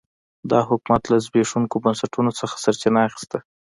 دا حکومت له زبېښونکو بنسټونو څخه سرچینه اخیسته.